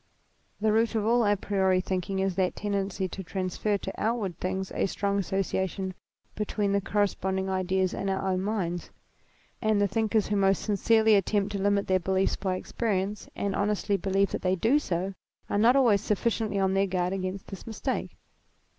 The root of all a priori thinking is the tendency to transfer to outward things a strong asso ciation between the corresponding ideas in our own minds ; and the thinkers who most sincerely attempt to limit their beliefs by experience, and honestly believe that they do so, are not always sufficiently on their guard against this mistake.